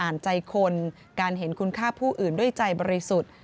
ใจคนการเห็นคุณค่าผู้อื่นด้วยใจบริสุทธิ์